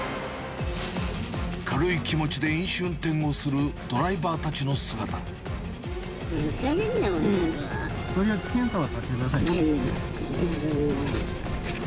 軽い気持ちで飲酒運転をするてめー、ふざけんなよ、とりあえず検査はさせてくだてめー。